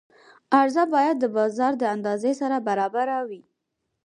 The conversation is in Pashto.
عرضه باید د بازار د اندازې سره برابره وي.